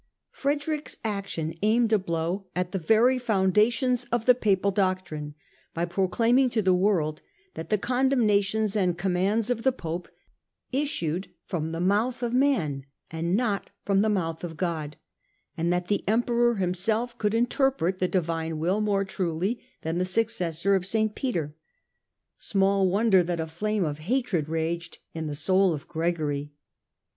Frederick's action aimed a blow at the very THE EXCOMMUNICATE CRUSADER 89 foundations of the Papal doctrine, by proclaiming to the world that the condemnations and commands of the Pope issued from the mouth of man and not from the mouth of God, and that the Emperor himself could interpret the Divine Will more truly than the successor of St. Peter. Small wonder that a flame of hatred raged in the soul of Gregory.